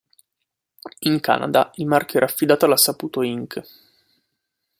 In Canada il marchio era affidato alla Saputo Inc.